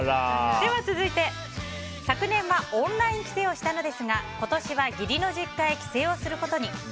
では続いて昨年はオンライン帰省をしたのですが今年は義理の実家へ帰省をすることに。